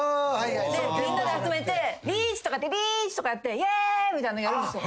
みんな集めてリーチとかって「リーチ！」とかやってイェーイ！みたいなのやるんですよ。